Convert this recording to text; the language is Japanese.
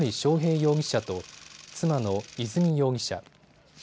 容疑者と妻の和美容疑者。